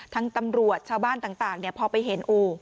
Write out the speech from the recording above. ตำรวจชาวบ้านต่างพอไปเห็นอู่